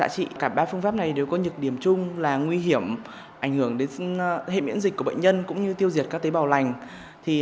cả ba phương pháp này đều có nhược điểm chung là nguy hiểm ảnh hưởng đến hệ miễn dịch của bệnh nhân cũng như tiêu diệt các tế bào lành